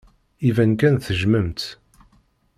Iban kan tejjmem-tt.